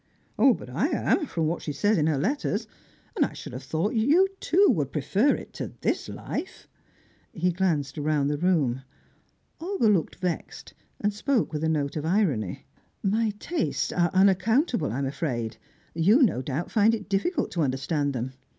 "But I am, from what she says in her letters, and I should have thought that you, too, would prefer it to this life." He glanced round the room. Olga looked vexed, and spoke with a note of irony. "My tastes are unaccountable, I'm afraid. You, no doubt, find it difficult to understand them.